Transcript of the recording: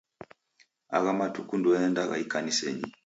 Agha matuku ndouendagha ikanisenyi.